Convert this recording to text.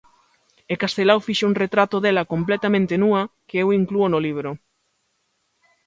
E Castelao fixo un retrato dela completamente núa que eu inclúo no libro.